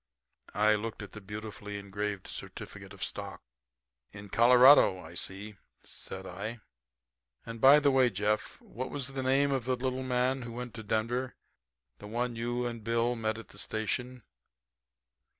I looked at the beautifully engraved certificate of stock. "In Colorado, I see," said I. "And, by the way, Jeff, what was the name of the little man who went to Denver the one you and Bill met at the station?"